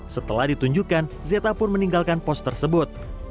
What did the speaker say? setelah ditunjukkan za pun meninggalkan pos tersebut